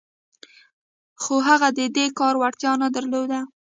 خو هغه د دې کار وړتیا نه درلوده